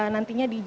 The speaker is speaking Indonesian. nantinya di jokowi